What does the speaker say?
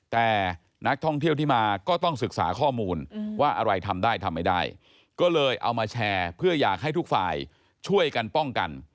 แต่นักท่องเที่ยวที่มาก็ต้องศึกษาข้อมูลว่าอะไรทำได้ทำไม่ได้ก็เลยเอามาแชร์เพื่ออยากให้ทุกฝ่ายช่วยกันป้องกัน